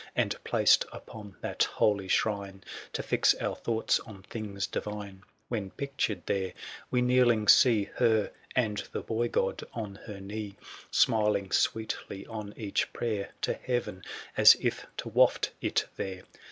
49 And placed upon that holy shrine To fix our thoughts on things divine, When pictured there, we kneeling see Her, and the boy God on her knee, 910 Smiling sweetly on each prayer To heaven, as if to waft it there.